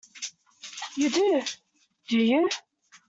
You do, do you?